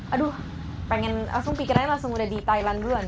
aduh pengen pikirannya langsung udah di thailand duluan ya